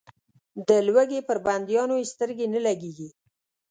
د لوږې پر بندیانو یې سترګې نه لګېږي.